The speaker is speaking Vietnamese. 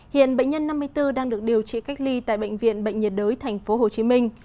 hiện bệnh nhân năm mươi bốn đang được điều trị cách ly tại bệnh viện bệnh nhiệt đới thành phố hồ chí minh